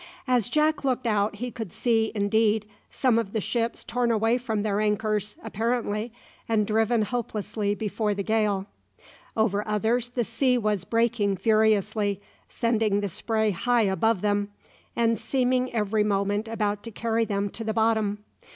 As Jack looked out he could see, indeed, some of the ships torn away from their anchors, apparently, and driven hopelessly before the gale. Over others the sea was breaking furiously, sending the spray high above them, and seeming every moment about to carry them to the bottom.